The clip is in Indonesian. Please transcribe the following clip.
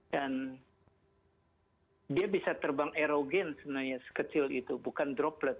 dan dia bisa terbang aerogen sebenarnya sekecil itu bukan droplet